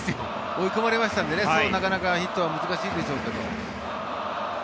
追い込まれましたのでヒットはなかなか難しいでしょうけど。